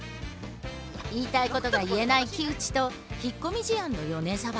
言いたいことが言えない木内と引っ込み思案の米沢。